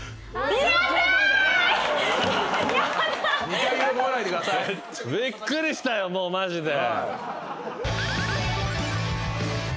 びっくりしたよもうマジで。